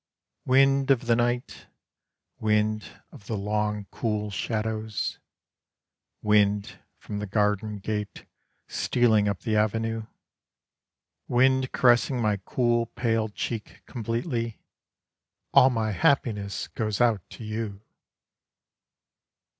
_ Wind of the night, wind of the long cool shadows, Wind from the garden gate stealing up the avenue, Wind caressing my cool pale cheek completely, All my happiness goes out to you.